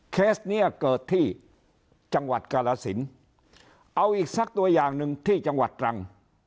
เคสเนี้ยเกิดที่จังหวัดกาลสินเอาอีกสักตัวอย่างหนึ่งที่จังหวัดตรัง